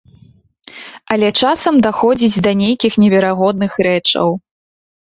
Але часам даходзіць да нейкіх неверагодных рэчаў.